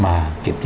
mà kiểm tra